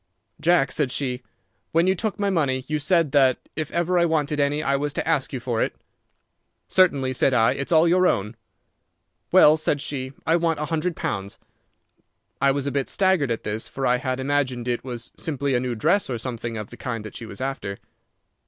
"'Jack,' said she, 'when you took my money you said that if ever I wanted any I was to ask you for it.' "'Certainly,' said I. 'It's all your own.' "'Well,' said she, 'I want a hundred pounds.' "I was a bit staggered at this, for I had imagined it was simply a new dress or something of the kind that she was after.